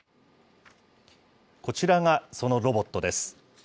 こちらがそのロボットです。